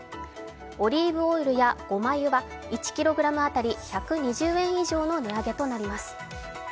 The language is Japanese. オリーブオイルやごま油は１ｋｇ当たり１２０円以上の値上げとなります。